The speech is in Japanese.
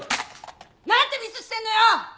何てミスしてんのよ！